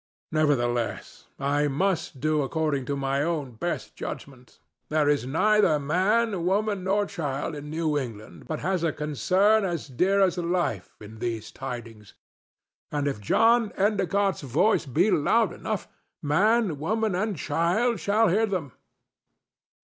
"Nevertheless, I must do according to my own best judgment. There is neither man, woman nor child in New England but has a concern as dear as life in these tidings; and if John Endicott's voice be loud enough, man, woman and child shall hear them.